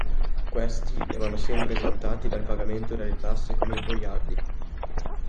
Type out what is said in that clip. Questi erano sempre esentati dal pagamento delle tasse come i boiardi.